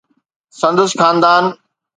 سندس خاندان